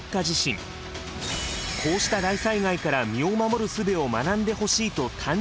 こうした大災害から身をまもるすべを学んでほしいと誕生したのが。